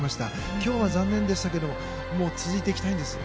今日は残念でしたけど続いていきたいです。